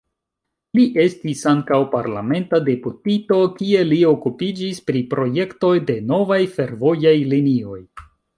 Li estis ankaŭ parlamenta deputito, kie li okupiĝis pri projektoj de novaj fervojaj linioj.